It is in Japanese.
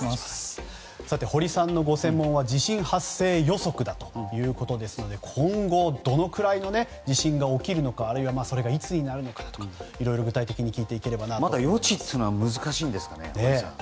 堀さんのご専門は地震発生予測ということで今後、どのくらいの地震が起きるのかあるいはそれがいつになるのかとかいろいろ具体的にまだ予知は難しいですか。